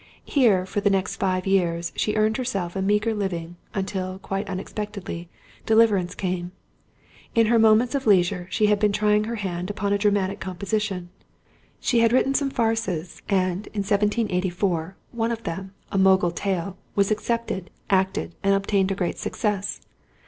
Here, for the next five years, she earned for herself a meagre living, until, quite unexpectedly, deliverance came. In her moments of leisure she had been trying her hand upon dramatic composition; she had written some farces, and, in 1784, one of them, A Mogul Tale, was accepted, acted, and obtained a great success.